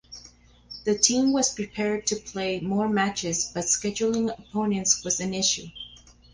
The team was prepared to play more matches but scheduling opponents was an issue.